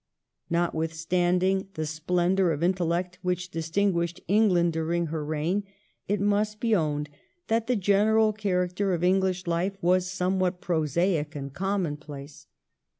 Notwithstanding the splendour of intellect which distinguished England during her reign, it must be owned that the general character of English life was somewhat prosaic and commonplace.